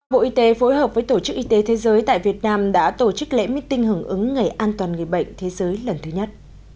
bộ y tế phối hợp với tổ chức y tế thế giới tại việt nam đã tổ chức lễ meeting hưởng ứng ngày an toàn người bệnh thế giới lần thứ nhất